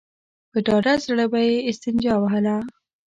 په ډاډه زړه به يې استنجا وهله.